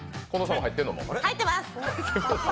入ってます！